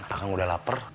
aku udah lapar